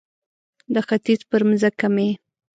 د ختیځ پر مځکه مې